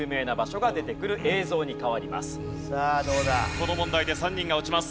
この問題で３人が落ちます。